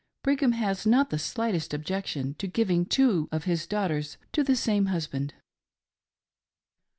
Brigham has not the slightest objection to giving two of his daughters to the same husband.